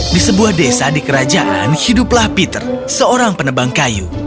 di sebuah desa di kerajaan hiduplah peter seorang penebang kayu